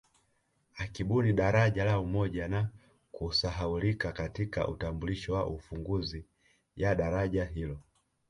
Akibuni daraja la Umoja na kusahaulika katika utambulisho wa ufunguzi ya daraja hilo